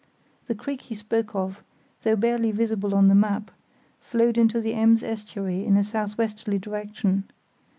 The creek he spoke of, though barely visible on the map, [See Map B] flowed into the Ems Estuary in a south westerly direction.